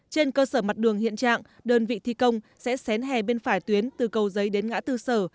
trên cơ sở mặt đường hiện trạng đơn vị thi công sẽ xén hè bên phải tuyến từ cầu giấy đến ngã tư sở